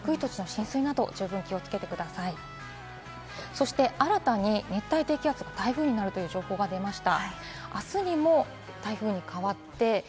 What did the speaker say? そして新たに熱帯低気圧が台風になるという情報が出ました。